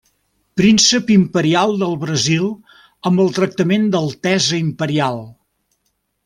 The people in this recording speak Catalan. Príncep imperial del Brasil amb el tractament d'altesa imperial.